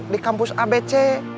di kampus abc